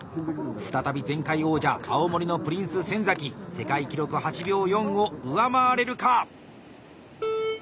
再び前回王者青森のプリンス・先世界記録８秒４を上回れるか？